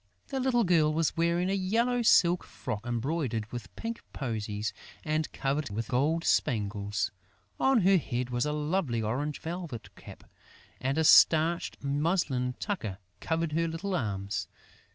The little girl was wearing a yellow silk frock embroidered with pink posies and covered with gold spangles. On her head was a lovely orange velvet cap; and a starched muslin tucker covered her little arms.